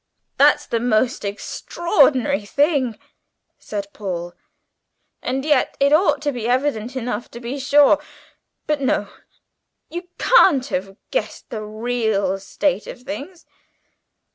"That's the most extraordinary thing," said Paul, "and yet it ought to be evident enough, to be sure. But no, you can't have guessed the real state of things!"